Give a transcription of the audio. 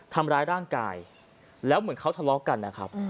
ทำร้ายร่างกายแล้วเหมือนเขาทะเลาะกันนะครับ